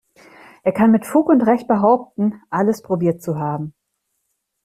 Er kann mit Fug und Recht behaupten, alles probiert zu haben.